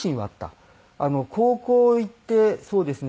高校行ってそうですね